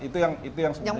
itu yang sebenarnya kita